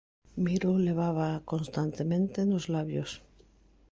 Miro levábaa constantemente nos labios.